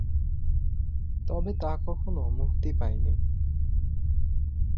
তবে তা কখনো মুক্তি পায়নি।